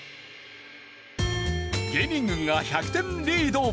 芸人軍が１００点リード。